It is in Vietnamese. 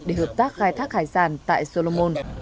để hợp tác khai thác hải sản tại solomon